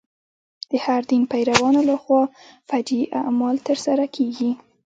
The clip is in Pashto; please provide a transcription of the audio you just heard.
د هر دین پیروانو له خوا فجیع اعمال تر سره کېږي.